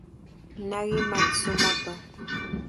Nagi Matsumoto